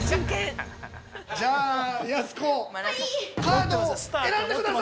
◆じゃあ、やす子、カードを選んでください！